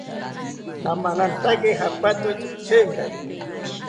Namamantaki japatote chengari